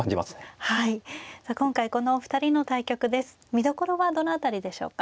見どころはどの辺りでしょうか。